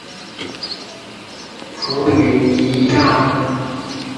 普吕尼亚讷。